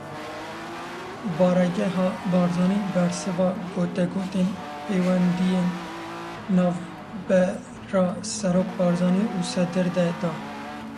Baregeha Barzanî bersiva gotegotên pêwendiyên navbera Serok Barzanî û Sedir de da.